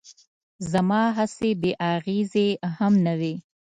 زما هڅې بې اغېزې هم نه وې.